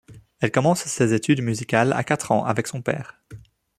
Elle commence ses études musicales à quatre ans avec son père.